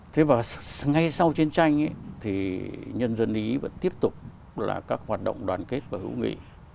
thế và ngay sau chiến tranh thì nhân dân ý vẫn tiếp tục là các hoạt động đoàn kết và hữu nghị